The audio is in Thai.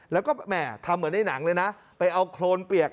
แล้วก็แหม่ทำเหมือนในหนังเลยนะไปเอาโครนเปียก